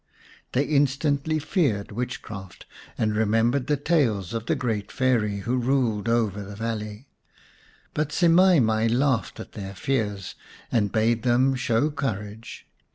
They instantly feared witchcraft, and remem bered the tales of the great Fairy who ruled over the valley. But Semai mai laughed at their fears, and bade them show courage.